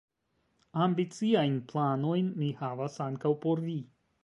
Ambiciajn planojn mi havas ankaŭ por vi.